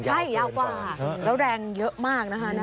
ใช่ยาวกว่าแล้วแรงเยอะมากนะคะ